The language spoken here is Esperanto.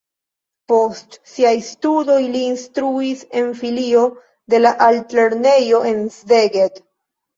Post siaj studoj li instruis en filio de la altlernejo en Szeged.